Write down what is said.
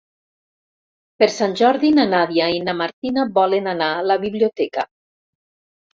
Per Sant Jordi na Nàdia i na Martina volen anar a la biblioteca.